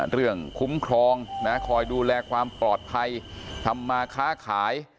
คุ้มครองคอยดูแลความปลอดภัยทำมาค้าขาย